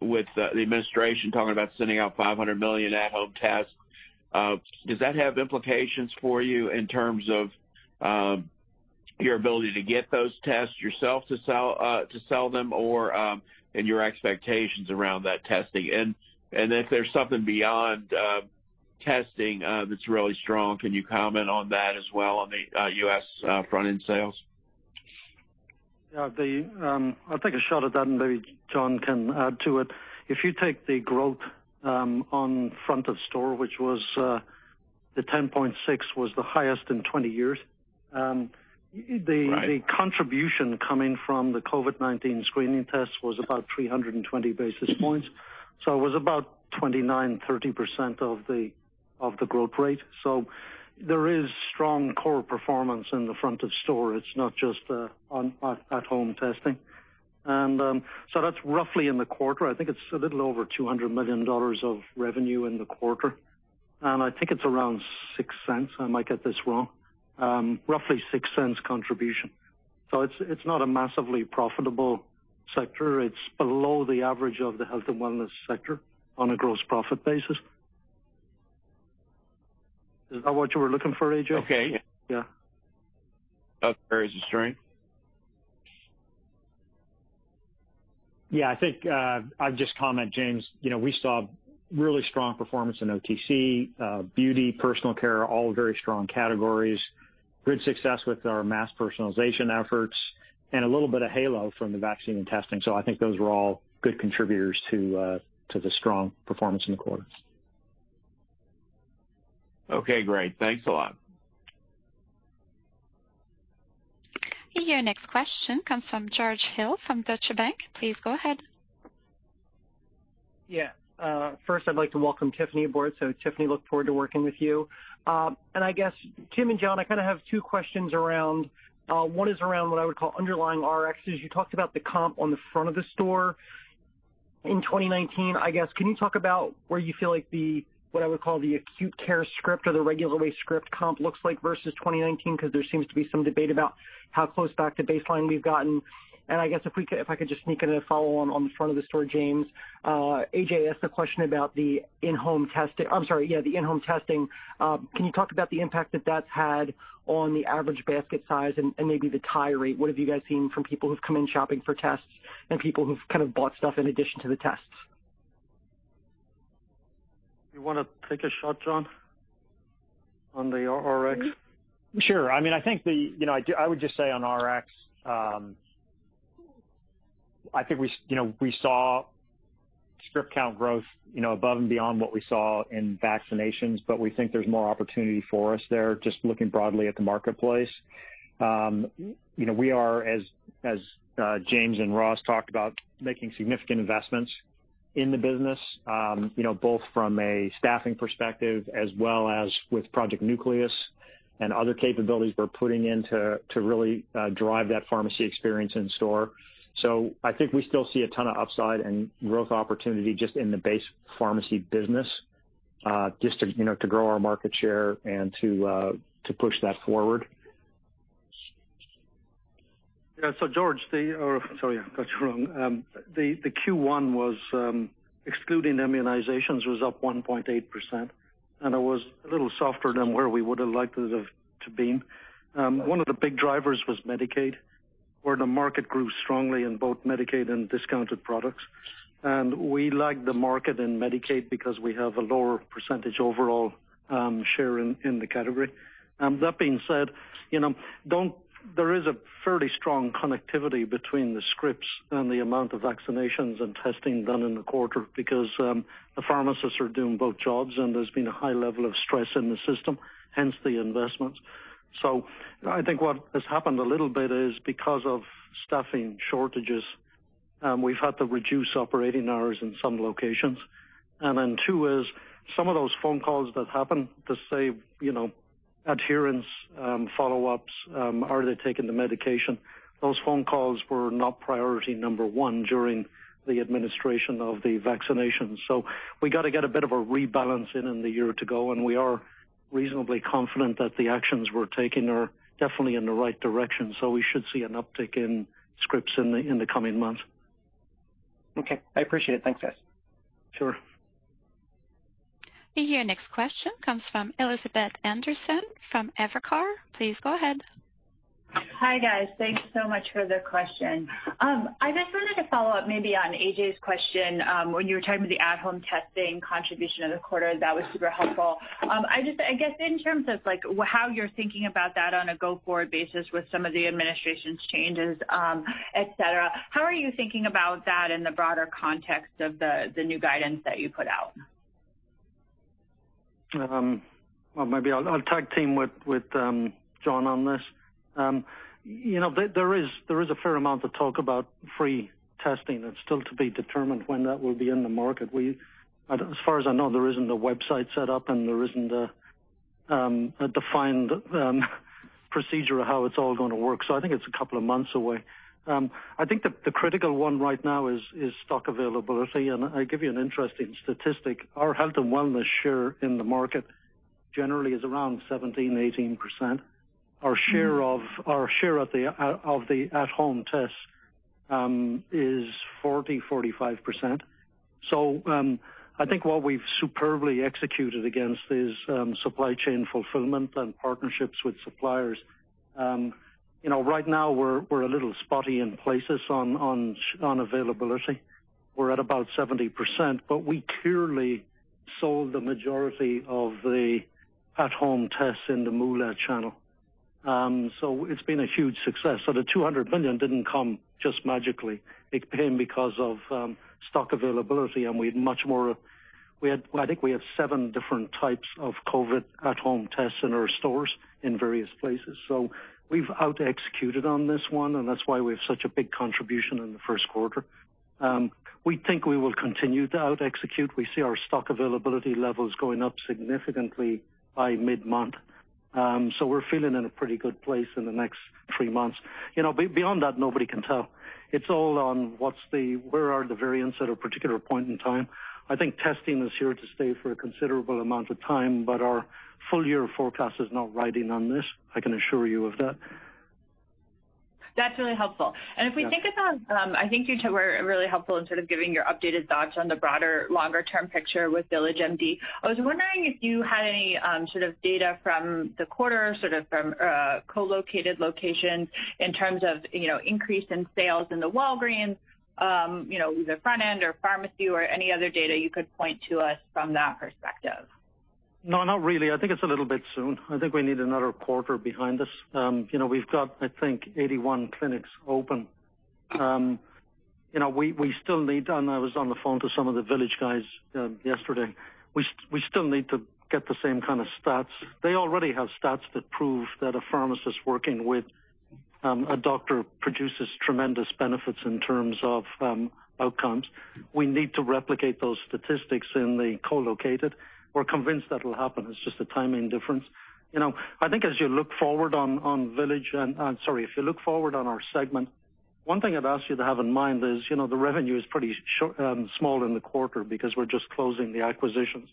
with the administration talking about sending out 500 million at-home tests, does that have implications for you in terms of your ability to get those tests yourself to sell, to sell them or and your expectations around that testing? If there's something beyond testing that's really strong, can you comment on that as well on the U.S. front-end sales? Yeah. I'll take a shot at that and maybe John can add to it. If you take the growth on front of store, which was the 10.6% was the highest in 20 years. Right. The contribution coming from the COVID-19 screening tests was about 320 basis points. It was about 29%-30% of the growth rate. There is strong core performance in the front of store. It's not just on at home testing. That's roughly in the quarter. I think it's a little over $200 million of revenue in the quarter. I think it's around $0.06. I might get this wrong. Roughly $0.06 contribution. It's not a massively profitable sector. It's below the average of the health and wellness sector on a gross profit basis. Is that what you were looking for, A.J.? Okay. Yeah. Yeah. That varies the strength. Yeah. I think I'll just comment, James. You know, we saw really strong performance in OTC, beauty, personal care, all very strong categories. Good success with our mass personalization efforts and a little bit of halo from the vaccine and testing. I think those were all good contributors to the strong performance in the quarter. Okay, great. Thanks a lot. Your next question comes from George Hill from Deutsche Bank. Please go ahead. First, I'd like to welcome Tiffany aboard. Tiffany, look forward to working with you. I guess, Tim and John, I kind of have two questions around one is around what I would call underlying RXs. You talked about the comp on the front of the store in 2019. I guess, can you talk about where you feel like the what I would call the acute care script or the regular way script comp looks like versus 2019? Because there seems to be some debate about how close back to baseline we've gotten. I guess if I could just sneak in a follow on on the front of the store, James. A.J. asked a question about the in-home testing. Can you talk about the impact that that's had on the average basket size and maybe the tie rate? What have you guys seen from people who've come in shopping for tests and people who've kind of bought stuff in addition to the tests? You wanna take a shot, John, on the RX? Sure. I mean, I think, you know, I would just say on RX, I think we, you know, we saw script count growth, you know, above and beyond what we saw in vaccinations, but we think there's more opportunity for us there, just looking broadly at the marketplace. You know, we are as James and Roz talked about making significant investments in the business, you know, both from a staffing perspective as well as with Project Nucleus and other capabilities we're putting in to really drive that pharmacy experience in store. I think we still see a ton of upside and growth opportunity just in the base pharmacy business, just to, you know, to grow our market share and to push that forward. Yeah. George, or sorry, I got you wrong. The Q1 was, excluding immunizations, up 1.8%, and it was a little softer than where we would've liked it to have been. One of the big drivers was Medicaid, where the market grew strongly in both Medicaid and discounted products. We lagged the market in Medicaid because we have a lower percentage overall share in the category. That being said, you know, there is a fairly strong connectivity between the scripts and the amount of vaccinations and testing done in the quarter because the pharmacists are doing both jobs and there's been a high level of stress in the system, hence the investments. I think what has happened a little bit is because of staffing shortages, we've had to reduce operating hours in some locations. Too is some of those phone calls that happen to say, you know, adherence, follow-ups, are they taking the medication? Those phone calls were not priority number one during the administration of the vaccination. We gotta get a bit of a rebalance in the year to go, and we are reasonably confident that the actions we're taking are definitely in the right direction, so we should see an uptick in scripts in the coming months. Okay. I appreciate it. Thanks, guys. Sure. Your next question comes from Elizabeth Anderson from Evercore. Please go ahead. Hi, guys. Thanks so much for the question. I just wanted to follow up maybe on A.J.'s question, when you were talking about the at-home testing contribution of the quarter. That was super helpful. I just, I guess in terms of like, how you're thinking about that on a go-forward basis with some of the administration's changes, et cetera, how are you thinking about that in the broader context of the new guidance that you put out? Well, maybe I'll tag team with John on this. You know, there is a fair amount of talk about free testing. It's still to be determined when that will be in the market. As far as I know, there isn't a website set up and there isn't a defined procedure of how it's all gonna work. I think it's a couple of months away. I think the critical one right now is stock availability. I'll give you an interesting statistic. Our health and wellness share in the market generally is around 17%-18%. Our share of the at-home tests is 40-45%. I think what we've superbly executed against is supply chain fulfillment and partnerships with suppliers. Right now we're a little spotty in places on availability. We're at about 70%, but we clearly sold the majority of the at-home tests in the MULO channel. It's been a huge success. The $200 million didn't come just magically. It came because of stock availability, and we had much more. I think we have seven different types of COVID at-home tests in our stores in various places. We've outexecuted on this one, and that's why we have such a big contribution in the Q1. We think we will continue to outexecute. We see our stock availability levels going up significantly by mid-month. We're feeling in a pretty good place in the next three months. You know, beyond that, nobody can tell. It's all on where are the variants at a particular point in time. I think testing is here to stay for a considerable amount of time, but our full year forecast is not riding on this. I can assure you of that. That's really helpful. Yeah. If we think about, I think you two were really helpful in sort of giving your updated thoughts on the broader longer-term picture with VillageMD. I was wondering if you had any, sort of data from the quarter, sort of from, co-located locations in terms of, you know, increase in sales in the Walgreens, you know, either front end or pharmacy or any other data you could point to us from that perspective. No, not really. I think it's a little bit soon. I think we need another quarter behind us. You know, we've got, I think, 81 clinics open. You know, we still need to get the same kind of stats. I was on the phone to some of the Village guys yesterday. They already have stats that prove that a pharmacist working with a doctor produces tremendous benefits in terms of outcomes. We need to replicate those statistics in the co-located. We're convinced that'll happen. It's just a timing difference. You know, I think as you look forward on Village. Sorry, if you look forward on our segment, one thing I'd ask you to have in mind is, you know, the revenue is pretty small in the quarter because we're just closing the acquisitions.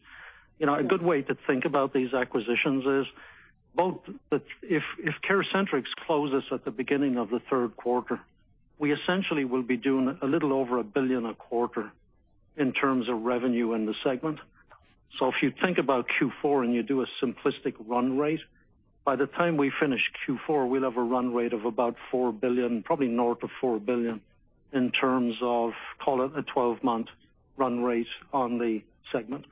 You know, a good way to think about these acquisitions is. If CareCentrix closes at the beginning of the third quarter, we essentially will be doing a little over $1 billion a quarter in terms of revenue in the segment. If you think about Q4 and you do a simplistic run rate, by the time we finish Q4, we'll have a run rate of about $4 billion, probably north of $4 billion in terms of, call it, a 12-month run rate on the segment.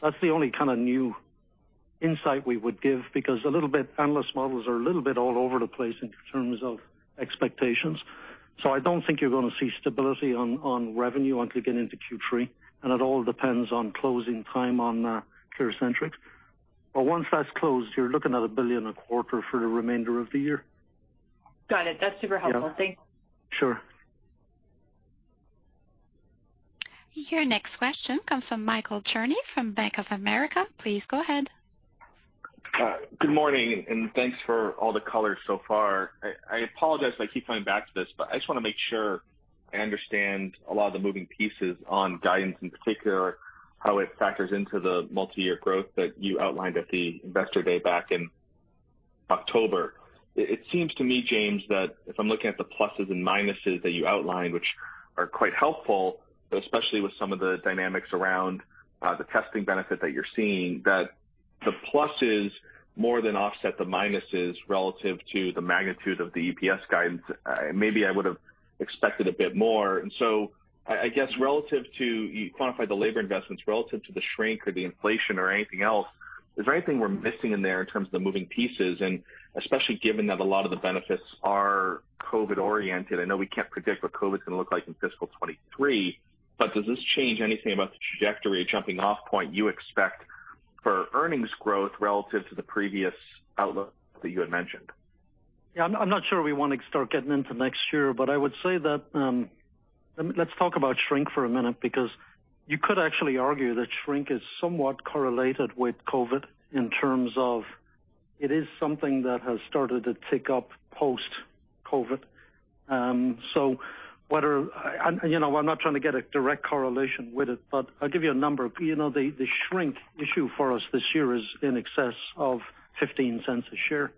That's the only kinda new insight we would give because a little bit analyst models are a little bit all over the place in terms of expectations. I don't think you're gonna see stability on revenue until you get into Q3, and it all depends on closing time on CareCentrix. Once that's closed, you're looking at $1 billion a quarter for the remainder of the year. Got it. That's super helpful. Yeah. Thanks. Sure. Your next question comes from Michael Cherny from Bank of America. Please go ahead. Good morning, and thanks for all the color so far. I apologize if I keep coming back to this, but I just wanna make sure I understand a lot of the moving pieces on guidance, in particular, how it factors into the multi-year growth that you outlined at the investor day back in October. It seems to me, James, that if I'm looking at the pluses and minuses that you outlined, which are quite helpful, especially with some of the dynamics around the testing benefit that you're seeing, that the pluses more than offset the minuses relative to the magnitude of the EPS guidance. Maybe I would've expected a bit more. I guess relative to. You quantified the labor investments relative to the shrink or the inflation or anything else. Is there anything we're missing in there in terms of the moving pieces, and especially given that a lot of the benefits are COVID-oriented? I know we can't predict what COVID's gonna look like in fiscal 2023, but does this change anything about the trajectory or jumping off point you expect for earnings growth relative to the previous outlook that you had mentioned? I'm not sure we wanna start getting into next year, but I would say that, let's talk about shrink for a minute because you could actually argue that shrink is somewhat correlated with COVID in terms of it is something that has started to tick up post-COVID. You know, I'm not trying to get a direct correlation with it, but I'll give you a number. You know, the shrink issue for us this year is in excess of $0.15 a share.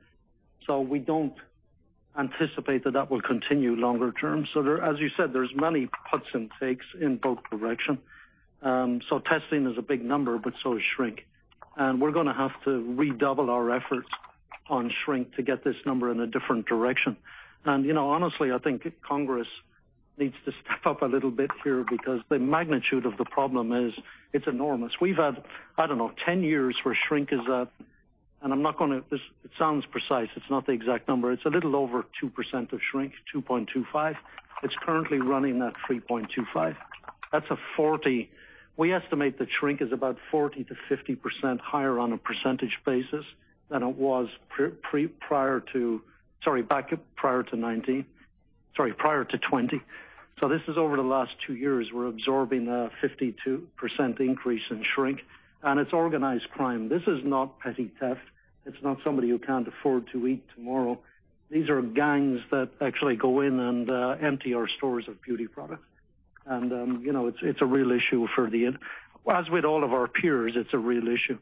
We don't anticipate that will continue longer term. As you said, there's many puts and takes in both direction. Testing is a big number, but so is shrink. We're gonna have to redouble our efforts on shrink to get this number in a different direction. You know, honestly, I think Congress needs to step up a little bit here because the magnitude of the problem is, it's enormous. We've had, I don't know, 10 years where shrink is at. This sounds precise. It's not the exact number. It's a little over 2% of shrink, 2.25%. It's currently running at 3.25%. We estimate that shrink is about 40%-50% higher on a percentage basis than it was prior to 2020. This is over the last two years, we're absorbing a 52% increase in shrink, and it's organized crime. This is not petty theft. It's not somebody who can't afford to eat tomorrow. These are gangs that actually go in and empty our stores of beauty products. You know, it's a real issue. As with all of our peers, it's a real issue.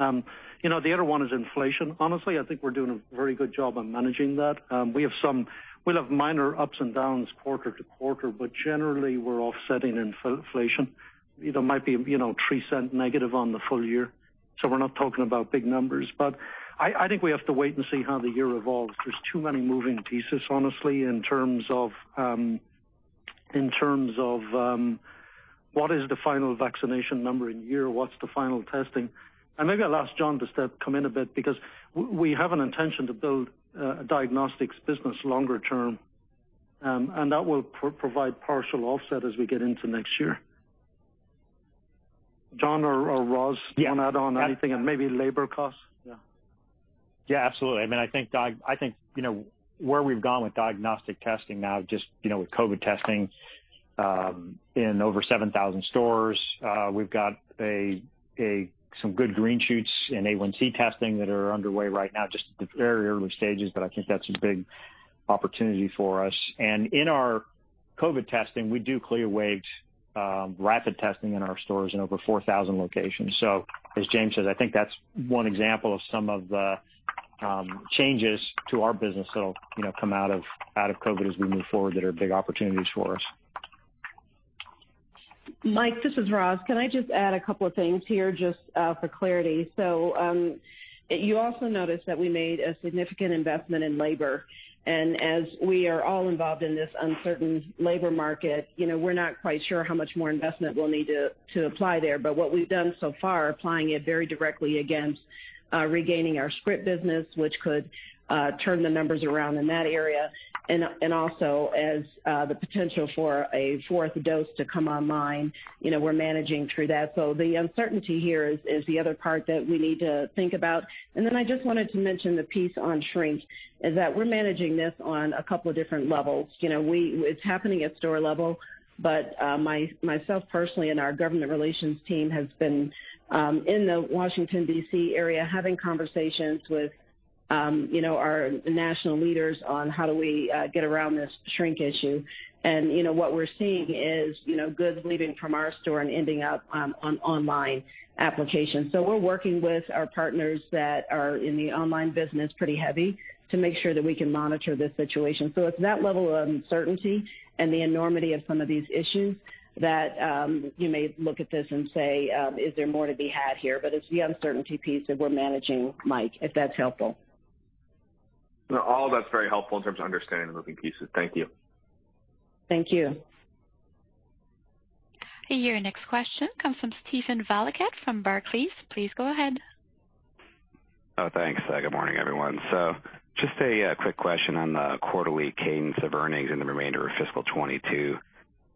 You know, the other one is inflation. Honestly, I think we're doing a very good job on managing that. We'll have minor ups and downs quarter to quarter, but generally we're offsetting inflation. You know, might be $-0.03 on the full year, so we're not talking about big numbers. But I think we have to wait and see how the year evolves. There's too many moving pieces, honestly, in terms of what is the final vaccination number in the year. What's the final testing? Maybe I'll ask John just to come in a bit because we have an intention to build a diagnostics business longer term, and that will provide partial offset as we get into next year. John or Roz wanna add on anything? Maybe labor costs. Yeah. Yeah, absolutely. I mean, I think, you know, where we've gone with diagnostic testing now, just, you know, with COVID testing in over 7,000 stores, we've got some good green shoots in A1C testing that are underway right now, just at the very early stages, but I think that's a big opportunity for us. In our COVID testing, we do Cue Health's rapid testing in our stores in over 4,000 locations. As James says, I think that's one example of some of the changes to our business that'll, you know, come out of COVID as we move forward that are big opportunities for us. Mike, this is Roz. Can I just add a couple of things here just for clarity? You also noticed that we made a significant investment in labor. As we are all involved in this uncertain labor market, you know, we're not quite sure how much more investment we'll need to apply there. What we've done so far, applying it very directly against regaining our script business, which could turn the numbers around in that area. Also as the potential for a fourth dose to come online, you know, we're managing through that. The uncertainty here is the other part that we need to think about. Then I just wanted to mention the piece on shrink is that we're managing this on a couple of different levels. It's happening at store level, but myself personally and our government relations team has been in the Washington, D.C. area having conversations with you know, our national leaders on how do we get around this shrink issue. You know, what we're seeing is you know, goods leaving from our store and ending up on online applications. We're working with our partners that are in the online business pretty heavy to make sure that we can monitor this situation. It's that level of uncertainty and the enormity of some of these issues that you may look at this and say, "Is there more to be had here?" It's the uncertainty piece that we're managing, Mike, if that's helpful. All that's very helpful in terms of understanding the moving pieces. Thank you. Thank you. Your next question comes from Steven Valiquette from Barclays. Please go ahead. Thanks. Good morning, everyone. Just a quick question on the quarterly cadence of earnings in the remainder of fiscal 2022.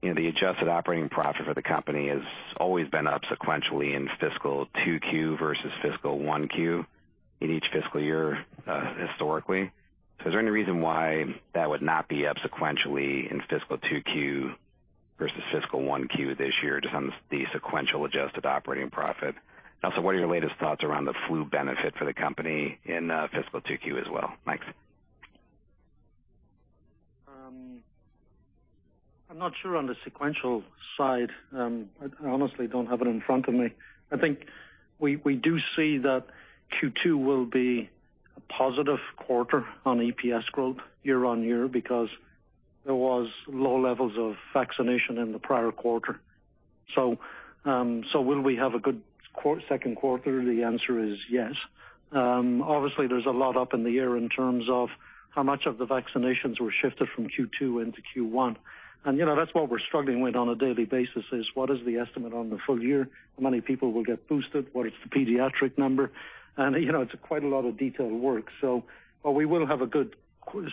You know, the adjusted operating profit for the company has always been up sequentially in fiscal 2Q versus fiscal 1Q in each FY, historically. Is there any reason why that would not be up sequentially in fiscal 2Q versus fiscal 1Q this year, just on the sequential adjusted operating profit? Also, what are your latest thoughts around the flu benefit for the company in fiscal 2Q as well? Thanks. I'm not sure on the sequential side. I honestly don't have it in front of me. I think we do see that Q2 will be a positive quarter on EPS growth year-over-year because there was low levels of vaccination in the prior quarter. Will we have a good Q2? The answer is yes. Obviously there's a lot up in the air in terms of how much of the vaccinations were shifted from Q2 into Q1. You know, that's what we're struggling with on a daily basis, is what is the estimate on the full year? How many people will get boosted? What is the pediatric number? You know, it's quite a lot of detailed work. But we will have a good Q2.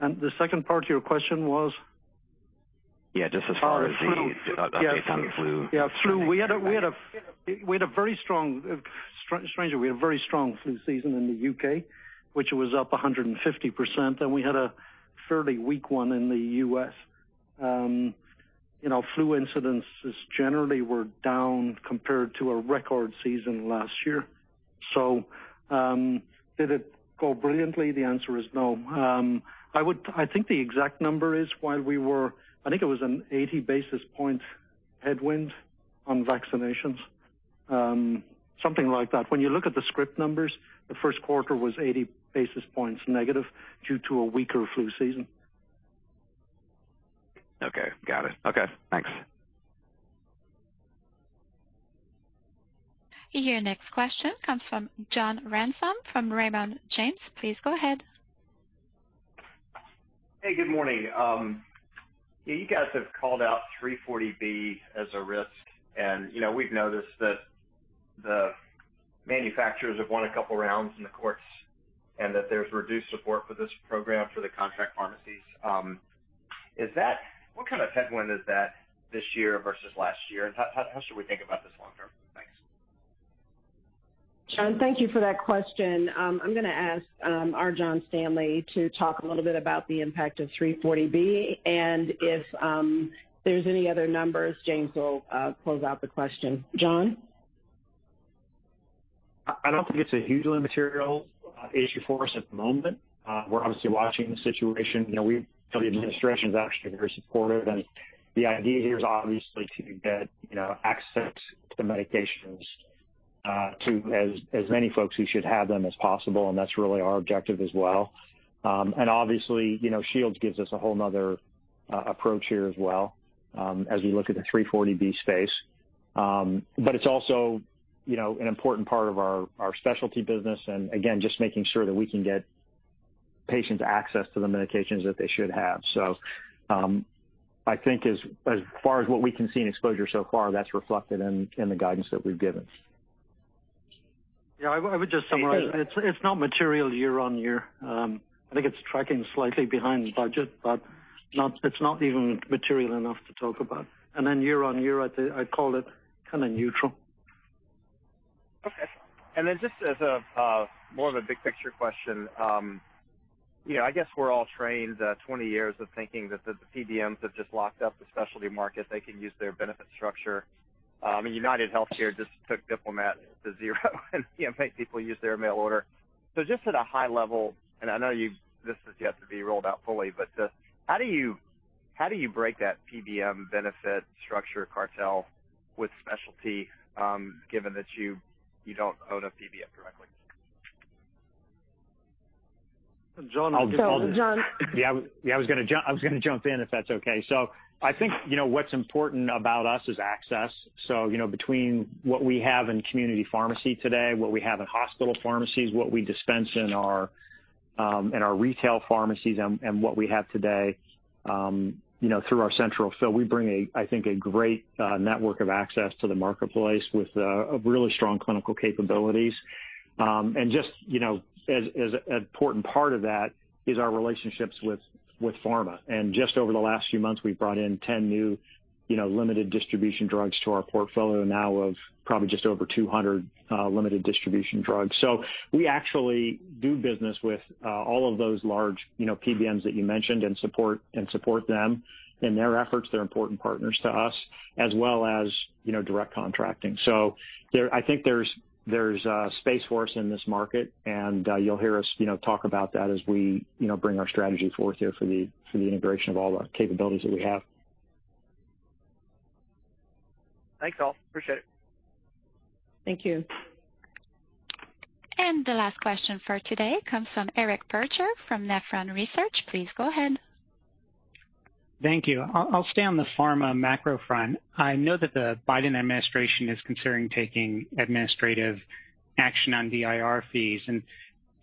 The second part to your question was? Yeah, just as far as the Oh, the flu. Updates on flu. Yeah, flu. We had a very strong flu season in the U.K., which was up 150%, and we had a fairly weak one in the U.S. Flu incidences generally were down compared to a record season last year. Did it go brilliantly? The answer is no. I think the exact number is. I think it was an 80 basis point headwind on vaccinations. Something like that. When you look at the script numbers, the Q1 was 80 basis points negative due to a weaker flu season. Okay. Got it. Okay, thanks. Your next question comes from John Ransom from Raymond James. Please go ahead. Hey, good morning. You guys have called out 340B as a risk and, you know, we've noticed that the manufacturers have won a couple rounds in the courts and that there's reduced support for this program for the contract pharmacies. What kind of headwind is that this year versus last year? How should we think about this long term? Thanks. John, thank you for that question. I'm gonna ask our John Standley to talk a little bit about the impact of 340B. If there's any other numbers, James will close out the question. John? I don't think it's a hugely material issue for us at the moment. We're obviously watching the situation. You know, the administration is actually very supportive. The idea here is obviously to get, you know, access to medications to as many folks who should have them as possible, and that's really our objective as well. Obviously, you know, Shields gives us a whole 'nother approach here as well, as we look at the 340B space. But it's also, you know, an important part of our specialty business and again, just making sure that we can get patients access to the medications that they should have. I think as far as what we can see in exposure so far, that's reflected in the guidance that we've given. Yeah, I would just summarize, it's not material year on year. I think it's tracking slightly behind budget, but it's not even material enough to talk about. Then year on year, I'd call it kind of neutral. Okay. Just as a more of a big picture question, you know, I guess we're all trained 20 years of thinking that the PBMs have just locked up the specialty market. They can use their benefit structure. UnitedHealthcare just took Diplomat to zero and made people use their mail order. Just at a high level, and I know this has yet to be rolled out fully, but how do you break that PBM benefit structure cartel with specialty, given that you don't own a PBM directly? John, I'll just- John. Yeah, I was gonna jump in, if that's okay. I think, you know, what's important about us is access. You know, between what we have in community pharmacy today, what we have in hospital pharmacies, what we dispense in our retail pharmacies and what we have today, you know, through our central fill, we bring a, I think, a great network of access to the marketplace with really strong clinical capabilities. Just, you know, as an important part of that is our relationships with pharma. Just over the last few months, we've brought in 10 new limited distribution drugs to our portfolio now of probably just over 200 limited distribution drugs. We actually do business with all of those large, you know, PBMs that you mentioned and support them in their efforts. They're important partners to us, as well as, you know, direct contracting. I think there's space for us in this market, and you'll hear us, you know, talk about that as we, you know, bring our strategy forth here for the integration of all the capabilities that we have. Thanks, all. Appreciate it. Thank you. The last question for today comes from Eric Percher from Nephron Research. Please go ahead. Thank you. I'll stay on the pharma macro front. I know that the Biden administration is considering taking administrative action on DIR fees.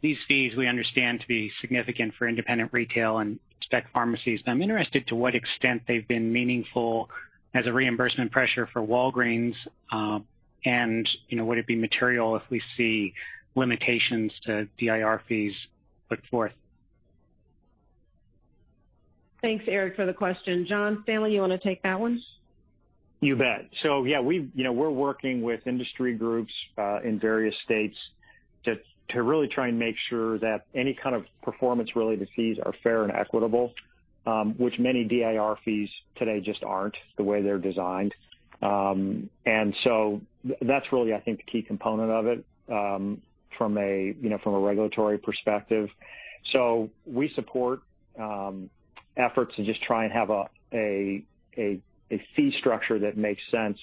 These fees we understand to be significant for independent retail and spec pharmacies. I'm interested in what extent they've been meaningful as a reimbursement pressure for Walgreens, and you know, would it be material if we see limitations to DIR fees put forth? Thanks, Eric, for the question. John Standley, you wanna take that one? You bet. Yeah, you know, we're working with industry groups in various states to really try and make sure that any kind of performance-related fees are fair and equitable, which many DIR fees today just aren't, the way they're designed. That's really, I think, the key component of it from a, you know, regulatory perspective. We support efforts to just try and have a fee structure that makes sense,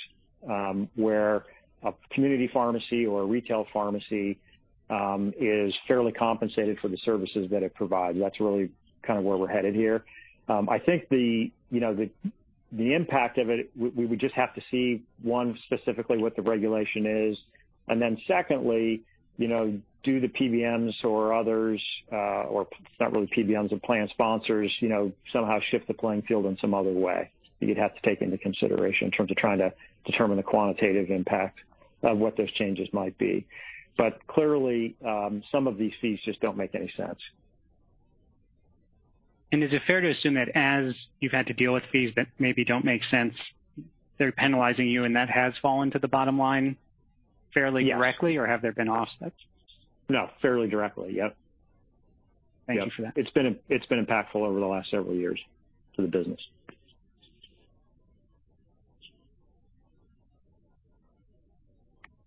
where a community pharmacy or a retail pharmacy is fairly compensated for the services that it provides. That's really kind of where we're headed here. I think the, you know, impact of it, we would just have to see, once, specifically what the regulation is. Then secondly, you know, do the PBMs or others, or it's not really PBMs or plan sponsors, you know, somehow shift the playing field in some other way. You'd have to take into consideration in terms of trying to determine the quantitative impact of what those changes might be. Clearly, some of these fees just don't make any sense. Is it fair to assume that as you've had to deal with fees that maybe don't make sense, they're penalizing you and that has fallen to the bottom line fairly directly? Yes. Have there been offsets? No, fairly directly. Yep. Thank you for that. It's been impactful over the last several years to the business.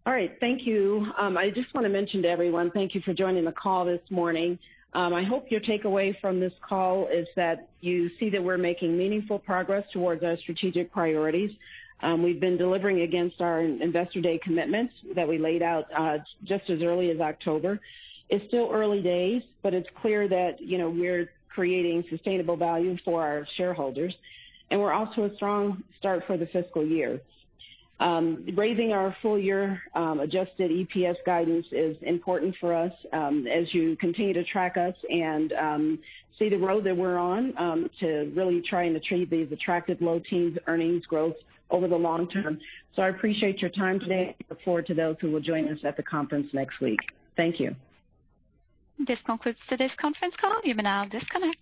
All right. Thank you. I just wanna mention to everyone, thank you for joining the call this morning. I hope your takeaway from this call is that you see that we're making meaningful progress towards our strategic priorities. We've been delivering against our investor day commitments that we laid out, just as early as October. It's still early days, but it's clear that, you know, we're creating sustainable value for our shareholders, and we're off to a strong start for the FY. Raising our full year, adjusted EPS guidance is important for us, as you continue to track us and see the road that we're on, to really try and achieve these attractive low teens earnings growth over the long term. I appreciate your time today. I look forward to those who will join us at the conference next week. Thank you. This concludes today's conference call. You may now disconnect.